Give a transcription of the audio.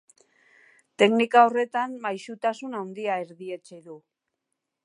Teknika horretan maisutasun handia erdietsi du.